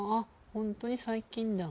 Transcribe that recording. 本当に最近だ。